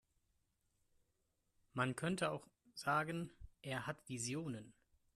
Man könnte auch sagen, er hat Visionen.